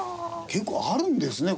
結構あるんですね